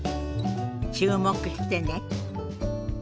注目してね。